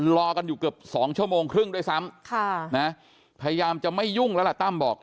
รอกันอยู่เกือบ๒ชั่วโมงครึ่งด้วยซ้ำพยายามจะไม่ยุ่งแล้วล่ะตั้มบอก